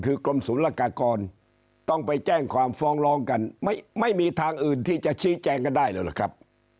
คือกรมศูนย์ละกากรต้องไปแจ้งความฟ้องร้องกันไม่มีทางอื่นที่จะชี้แจงกันได้เลยหรือครับ